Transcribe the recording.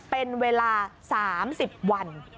เป็นเวลา๓๐วัน